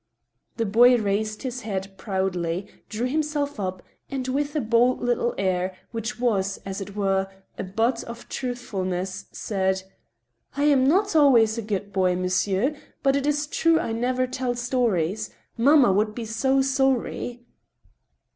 The boy raised his head proudly, drew himself up, and, with a bold little air, which was, as it were, a bud of truthfulness, said :" I am not always a good boy, monsieur, but it is true I never tell stories. Mamma would be so sorry